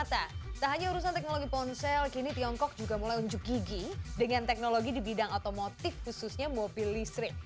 tak hanya urusan teknologi ponsel kini tiongkok juga mulai unjuk gigi dengan teknologi di bidang otomotif khususnya mobil listrik